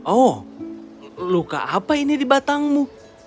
oh luka apa ini di batangmu